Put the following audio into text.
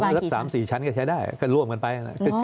มีรถ๓๔ชั้นก็ใช้ได้ก็ร่วมกันไป